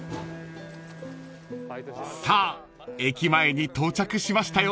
［さあ駅前に到着しましたよ］